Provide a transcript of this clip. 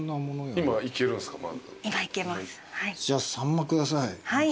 じゃあさんま下さい。